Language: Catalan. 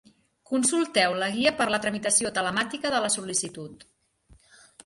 Consulteu la Guia per a la tramitació telemàtica de la sol·licitud.